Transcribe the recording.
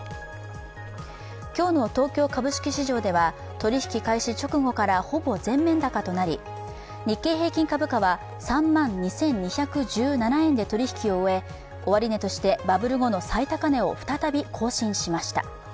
今日の東京株式市場では取引開始直後からほぼ全面高となり日経平均株価は３万２２１７円で取り引きを終え終値としてバブル後の最高値を再び更新しました。